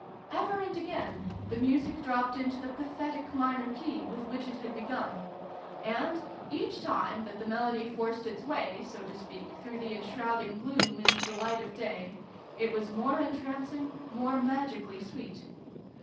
Ever and again the music dropped into the pathetic minor key with which it had begun, and, each time that the melody forced its way, so to speak, through the enshrouding gloom into the light of day, it was more entrancing, more magically sweet.